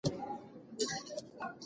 ښځه باید د خپل حق لپاره اقدام وکړي.